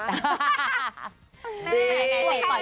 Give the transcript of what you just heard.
ดี